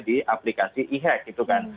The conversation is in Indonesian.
di aplikasi e hack gitu kan